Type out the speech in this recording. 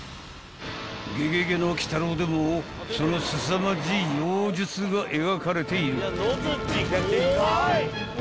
［『ゲゲゲの鬼太郎』でもそのすさまじい妖術が描かれている］